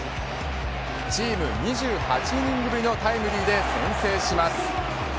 チーム２８イニングぶりのタイムリーで先制します。